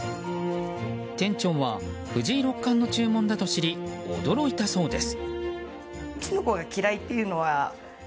店長は藤井六冠の注文だと知り驚いたそうです。